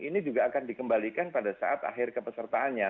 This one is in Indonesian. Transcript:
ini juga akan dikembalikan pada saat akhir kepesertaannya